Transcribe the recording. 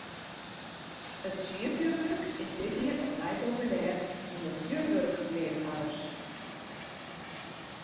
It sierfjurwurk is dit jier opnij populêr ûnder fjurwurkleafhawwers.